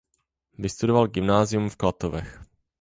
Vystudoval gymnázium v Klatovech.